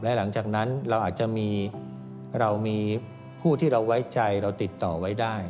และหลังจากนั้นเราอาจจะมีเรามีผู้ที่เราไว้ใจเราติดต่อไว้ได้